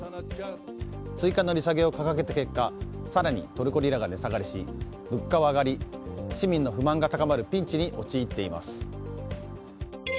追加の利下げを掲げた結果更にトルコリラが値下がりし物価は上がり市民の不満が高まるピンチに陥っています。